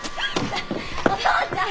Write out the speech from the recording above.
お父ちゃん！